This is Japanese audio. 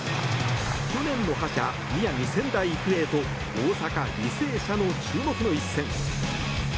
去年の覇者、宮城・仙台育英と大阪・履正社の注目の一戦。